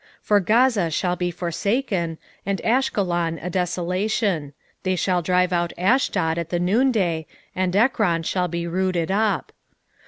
2:4 For Gaza shall be forsaken, and Ashkelon a desolation: they shall drive out Ashdod at the noon day, and Ekron shall be rooted up.